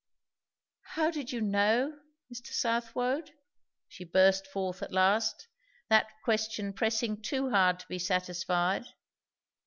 "How did you know, Mr. Southwode?" she burst forth at last, that question pressing too hard to be satisfied.